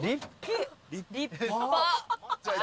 立派。